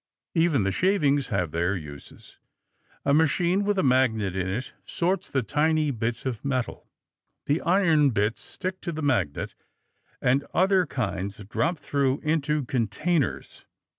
Even the shavings have their uses. A machine with a magnet in it sorts the tiny bits of metal. The iron bits stick to the magnet and other kinds drop through into containers.